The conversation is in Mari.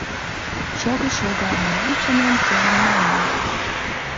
Шого-шого, а молан чонем семын маньым?